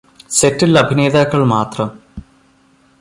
സെറ്റില് അഭിനേതാക്കള് മാത്രം